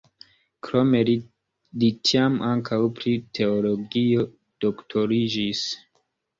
Krome li tiam ankaŭ pri teologio doktoriĝis.